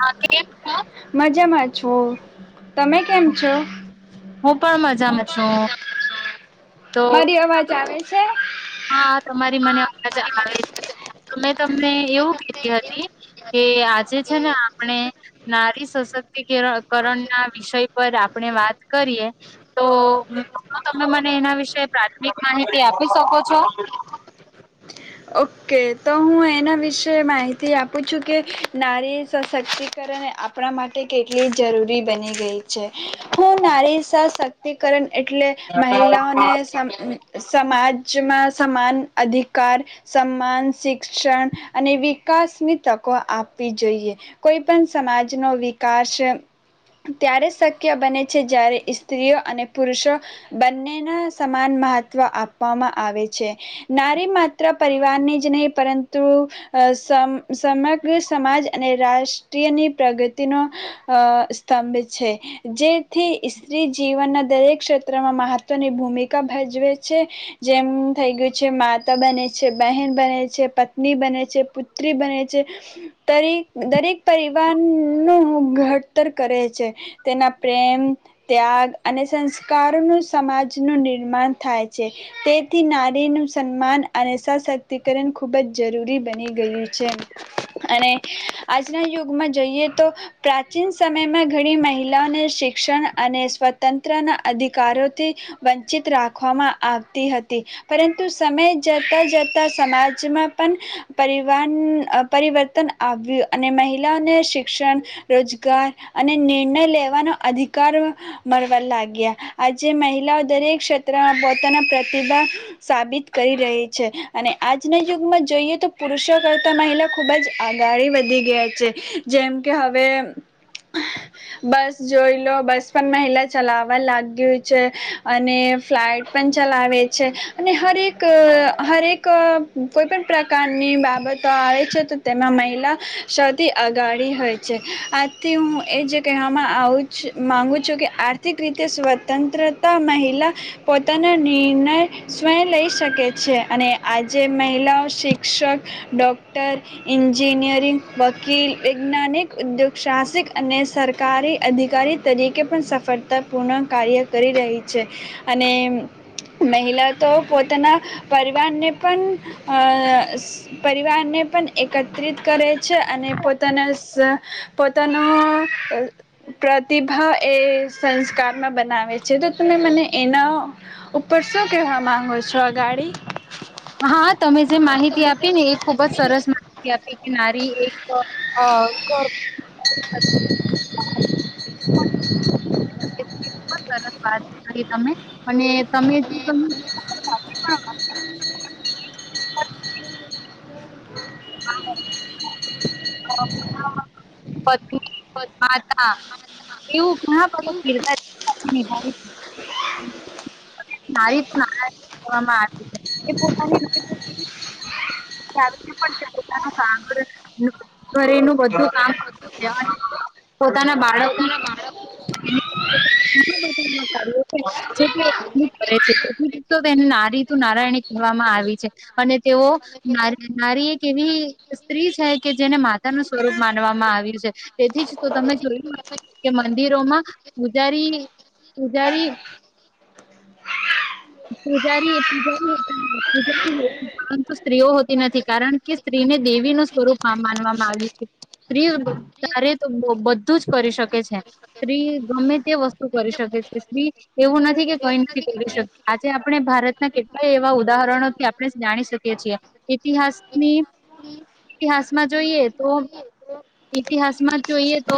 હા મજામાં છું. તમે કેમ છો. હું પણ મજામાં છું તો, મારી અવાજ આવે છે. હા, તમારી મને અવાજ આવે છે તં તમને એવું કધી હતી. કે આજે છે ને, આપણે નારી સશક્તિકરણકરણ ના વિષય પર આપણે વાત કરીએ. તો જો તમે મને એના વિશે પ્રાથમિક માહિતી આપી શકો છ. [unintelligible] ઓકે તો હું એના વિશે માહિતી આપું છું, કે નારી સશક્તિકરણ આપણા માટે કેટલી જરૂરી બની ગઈ. હું નારી. તે કરણ એટલે મહિલાઓને સમાજમાં સમાન અધિકાર શિક્ષણ અને વિકાસની તકો આપવી જોઈએ કોઈ પણ સમાજનો વિકાસ ત્યારે શક્ય બને છે. જ્યારે, સ્ત્રીઓ અને પુરુષો બંનેના સમાન મહત્વ આપવામાં આવે છે. નારી માત્ર પરિવારની જ નહીિ પરંતુ સમ સમગ્ર સમાજ અને રાષ્ટ્રીયની પ્રગતિ નો સ્તંભ છે. જેથી સ્ત્રી જીવનના દરેક ક્ષેત્રમાં મહત્વની ભૂમિકા ભજવે છે. જેમ થઈ ગયું છે. માતા બને છે. છે. બહેન બને પત્ની બને છે. પુત્રી બને છે. દરેક પરિવાર ન ઘ ઉતર કરે છે. તેના પ્રેમ ત્યાગ અને સંસ્કારોનું સમાજનું નિર્માણ થાય છે. તેથી નારીનું સન્માન અને સશક્તિકરણ ખૂબ જ જરૂરી બની ગયું છે. અને આજના યુગમાં જોઈએ. તો પ્રાચીન સમયમાં ઘણી મહિલાઓને શિક્ષણ અને સ્વતંત્રના અધિકારોથી વંચિત રાખવામાં આવતી હતી પરંતુ સમય જતા જતા સમાજમાં પણ પરવા પરિવર્તન આવ્યું અને મહિલાઓને શિક્ષણ રોજગાર અને નિર્ણય લેવાનો અધિકાર મળવા લાગ્યા. આજે મહિલાઓ દરેક ક્ષેત્રમાં પોતાના પ્રતિભા સાબિત કરી અને આજના યુગમાં જોઈએ, તો પુરુષો કરતા મહિલા ખુબ જ આગળ વધી ગયા છે. જેમ કે, હવે બસ જોઈ લો બસ પણ મહિલા ચલાવવા લાગુ છે. અને ફ્લાઇટ પણ ચલાવે છે. અને હરે એક હરેક કોઈ પણણ પ્રકારની બાબતો આવે છે. તો તેમાં મહિલા સૌથી અગાળ હોય છે. આથી હું એ જ કહેવામાં આવું માગું છું, કે આર્થિક રીતે સ્વતંત્રતા મહિલા પોતાના નિર્ણય સ્વં લઈ શકે. આજે મહિલાઓ શિક્ષક ડોક્ટર એન્જિનિયરિંગ વકીલ વૈજ્ઞાનિક ઉદ્યોગ સાહસિક અને સરકારી અધિકારી તરીકે પણ સફળતા પૂર્ણ કાર્ય કરી રહી છે. અને મહિલા તો પોતાના પરિવારને પણ પરિવારને પણ એકત્ર ચ્રિત કરે છે. અને પોતાના પોતાનો પ્રતિભા એ સંસ્કારમાં બનાવે છે. તો તમે મને એના ઉપર શું કેહેવા માંગો છો ગાડી હા, તમે જે માહિતી આપી ને એ ખુબ જ સરસ માહિતી આપી કે, નારી એક ખબ સરસ વાત. તમે અને તમે હા, હ, પ માતા એવું હા, ફ નારી તો નારાવામાં આવી છે એ પોતાની ઘરે બધું કામે પોતાના બાળક કર છે તેને નારીું નારાયણી કહેવામાં આવી છે અને તેઓ નારી એવી સ્ત્રી છે કે જેને માતા ન સ્વરૂપ માનવામાં આવ્યું છે તેથી જ તો તમે જોયું કે મંદિરોમાં પૂજારી પૂજારી પૂજારી પૂજારી પજારી પરંતુ સ્ત્રીઓ હોતી નથી કારણ કે સ્ત્રીને દેવી નું સ્વરૂપ માનવામાં આવ્યું છે સ્ત્રી તારે તો બધું જ કરી શકે છે સ્ત્રી ગમે તે વસ્તુ કરી શકે છે સ્ત્રી એવું નથી કે કઈ નથી કરી શકે આજે આપણે ભારતના કેટલાય એવા ઉદાહરણોથી આપણે જાણી શકીએ છીએ ઈતિહાસની ઇતિહાસમાં જોઈએ તો ઈતિહાસમાં જોઈએ તો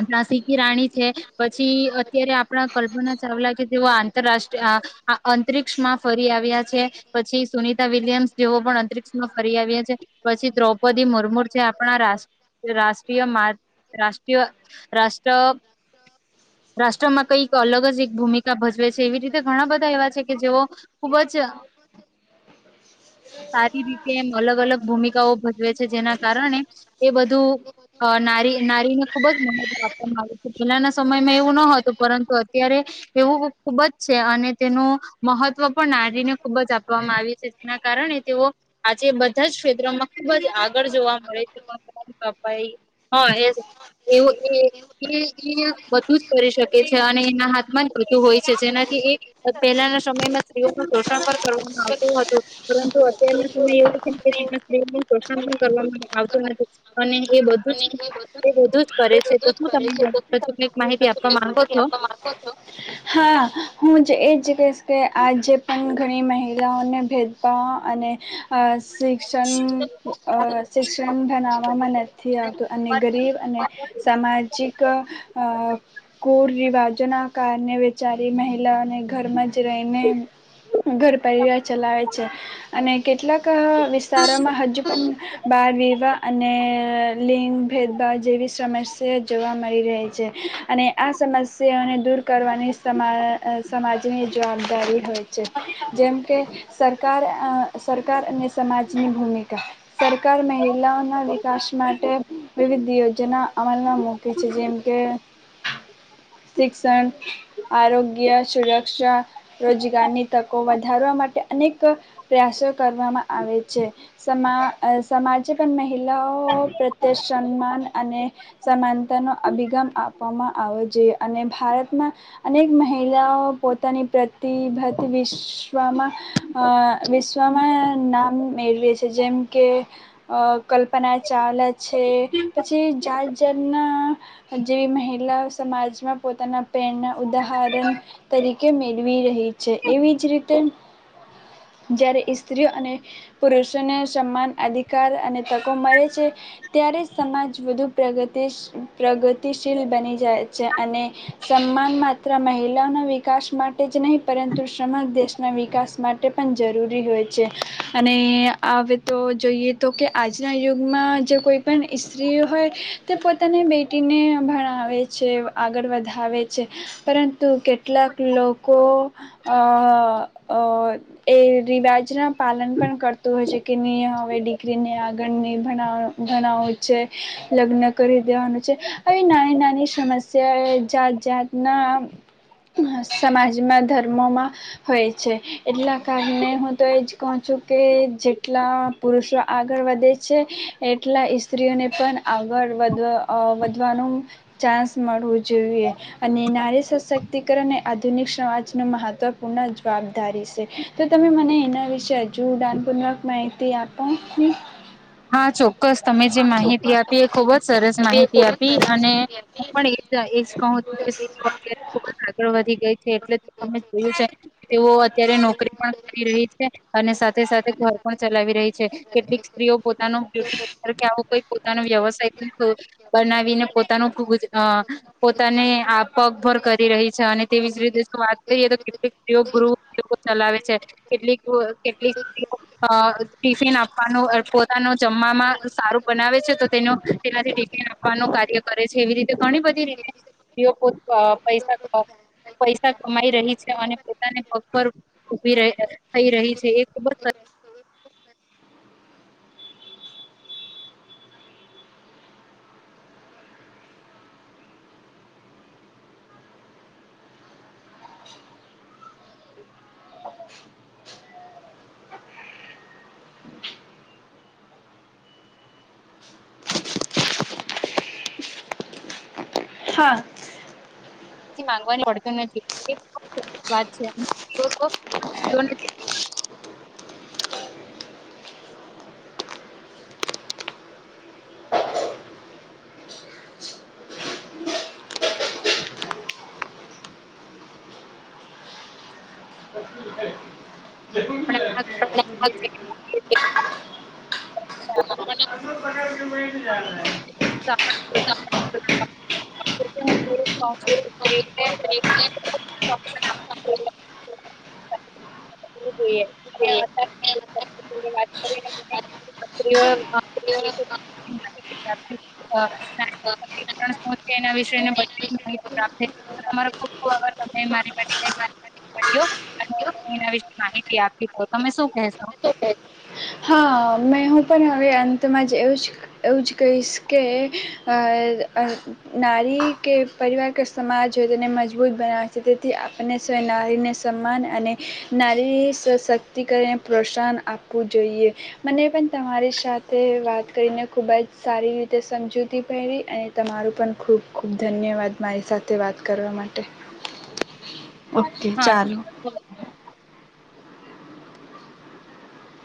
આપણા સી કી રાણી છે પછી અત્યારે આપણા કલ્પના ચાવલા કે જેઓ આંતરરાષ્ટ્રીય અંતરિક્ષમાં ફરી આવ્યા છે પછી સુનિતા વિલિયમ્સ જેવો પણ અંતરિક્ષમાં ફરી આવ્યા છે પછી દ્રૌપદી મુર્મુ છે આપણા રાષ્ટ્રીય મા રાષ્ટ્રીય રાષ્ટ્ર રાષ્ટ્રમાં કઈક અલગ જ એક ભૂમિકા ભજવે છે એવી રીતે ઘણા બધા છે કે જેઓ ખૂબ જ સારી રીતે અલગ અલગ ભૂમિકાઓ ભજવે છે જેના કારણે એ બધું નારી નારીને ખુબ જ મહત્વ આપવામાં આવે છે પહેલાના સમયમાં એવું ન હતું પરંતુ અત્યારે એવું ખુબ જ છે અને તેનું મહત્વ પણ નારીને ખૂબ જ આપવામાં આવી છે જેના કારણે તેઓ આજે બધા જ ક્ષેત્રમાં ખૂબ જ આગળ જોવા મળે છે પપાઈ હ બધું જ કરી શકે છે અને એના હાથમાં જ પતું હોય છે જેનાથી એ પહેલાના સમયમાં સ્ત્રીઓનું પોષણ પણ કરવામાં આવતું હતું પરંતુ અત્યારના સમય એવો છે કે જેમાં સ્ત્રીઓનું પોષણ પણ કરવામાં આવતું નથી અને એ બધું જ એ બધું જ કરે છે તો શું તને હજુ કક માહિતી આપવા માંગો છો હા હું એ જ કહીશ કે આજે પણ ઘણી મહિલાઓને ભેદભાવ અને શિક્ષણ શિક્ષણ બનાવવામાં નથી આવતું અને ગરીબ અને સામાજિક કુર રિવાજના આકાર અ્ય વચારી મહિલા અને ઘરમાં જ રહીને ઘર પરિવાર ચલાવે છે અને કેટલાક વિસ્તારોમાં હજુ પણ બાર વિવાહ અને લિંગ ભેદભાવ જેવી સમસ્યા જોવા મળી રહી છે અને આ સમસ્યાને દૂર સમાજની જવાબદારી હોય છે જેમ કેકાર સરકાર સમાજની ભૂમિકા સરકાર મહિલાઓના વિકાસ માટે વિવિધ યોજના અમલમાં મૂકે છે જેમ કે શિક્ષણ આરોગ્ય સુરક્ષા રોજગારની તકો વધારવા માટે અનેક પ્રયાસો કરવામાં આવે છે સમા સમાજે પણ મહિલાઓ પ્રત્યે સન્માન અને સમાનતા નો અભિગમ આપવામાં આવો જોઈએ અને ભારતમાં અનેક મહિલાઓ પોતાની પ્રતિભાતિ વિશ્વમાં વિશ્વમાં નામ મેળવે છે જેમ કે અ કલ્પના ચાવલા છે પછી જા જનના જેવી મહિલાઓ સમાજમાં પોતાના ઉદાહરણ તરીકે મેળવી રહી છે એવી જ રીતે જ્યારે સ્ત્રીઓ અને પુરુષોને સમાન અધિકાર અને તકો મળે છે ત્યારે સમાજ વધુ પ્રગતિ પ્રગતિશીલ બની જાય છે અને સમાન માત્ર મહિલાઓના વિકાસ માટે જ નહીં પરંતુ સમાન દેશના વિકાસ માટે પણ જરૂરી હોય છે અને હવે તો જોઈએ તો કે આજના યુગમાં જે કોઈ પણ સ્ત્રીઓ હોય તે પોતાને બે ને ભણાવે છે આગળ વધ છે પરંતુ કેટલાક લોકો એ રિવાજના પાલન પણ કરતોું હોય છે કે નિમ હવે દીકરીને આગળની ભણ ભણાવું છે લગ્ન કરી દેવાનું છે આવી નાની નાની સમસ્યા એ જાત જાતના સમાજમાં ધર્મોમાં હોય છે એટલા કારણે હું તો એજ કહ છું કે જેટલા પુરુષો આગળ વધે છે એટલા સ્ઈત્રીઓને પણ આગળ વધવા વધવાનું ચાન્સ મળવું જો જોઈએ અને નારી સશક્તિકરણ એ આધુનિક સમાજ ન મહત્વપૂર્ણ જવાબદારી છે તો તમે મને એના વિશે હજુદાનપૂર્વક માહિતી આપો ને હા ચોક્કસ તમે જે માહિતી આપી એ ખુબ જ સરસ માહિતી આપી અને હું પણ એ જ કહુંું કે ખબ જ આગળ વધી ગઈ એટલે તમે જોયું છે તેઓ અત્યારે નોકરી પણ કરી રહી છે અને સાથે સાથે ઘર પણ ચલાવી રહી છે કેટલીક સ્ત્રીઓ પોતાનો બ્યુટી કે આવો પોતાનો વ્યવસાય બનાવીને પોતાનું પોતાને પગભર કરી રહી છે અને તેવી જ રીતે જો વાત કરીએ તો કેટલીક સ્ત્રીઓ ગૃ ચલાવે છે કેટલીક કેટલીક સ્ત્રીઓ ટિફિન આપવાનું તા ન જમવામાં સારું બનાવે છે તો તેનું તેનાથી ટિકિટ આપવાનું કાર્ય કરે છે એવી રીતે ઘણી બધી રીતે સ્ પો અ પૈસા પૈસા કમાઈ રહી છે અને પોતાને પગ પર ઉભી થઈ રહી છે એ બસ હા પી ગવાની પડત નથી વાત છે પણ ના. જોઈએ અને અત્યારે જ. [inaudible] સુથ. [inaudible] વાત કરીને [inaudible] હ થ [inaudible] હ એના વિશેને બધી માહિતી પ્રાપ્ થ તમા ખુબ ખબ ત મારી્યો અને એ વિ માહિતી આપી તો તમે શું કહેશો. હા મેં હું પણ હવે અંતમાં જ એવું જ એવું જ કહીશ કે નારી કે પરિવાર કે સમાજ હોય તેને મજબૂત બનાવે છે તેથી આપણને સ નારીને સન્માન અને નારી સશક્તિકને પ્રોત્સાહન આપવું જોઈએ મને. પણ તમારી સાથે વાત કરીને ખૂબ જ સારી રીતે સમજૂતી પહેરી અને તમારું પણ ખૂબ ખૂબ ધન્યવાદ મારી સાથે વાત કરવા માટે. ઓકે હા ચાલો.